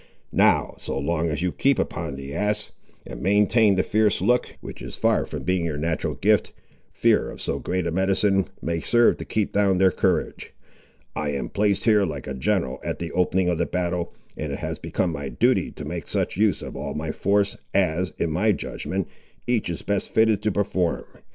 Now, so long as you keep upon the ass, and maintain the fierce look which is far from being your natural gift, fear of so great a medicine may serve to keep down their courage. I am placed here, like a general at the opening of the battle, and it has become my duty to make such use of all my force as, in my judgment, each is best fitted to perform.